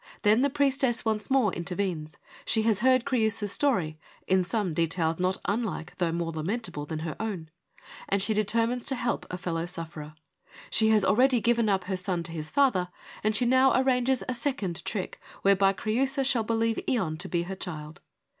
Then the priestess once more intervenes. She has heard Creiisa' s story — in some details not unlike though more lamentable than her own — and she determines to help a fellow sufferer. She has already given up her son to his father, and she now arranges a second trick whereby Creiisa shall believe Ion to be her child.